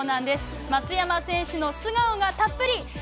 松山選手の素顔がたっぷり！